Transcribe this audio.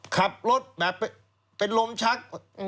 ขับรถแบบเป็นลมชัก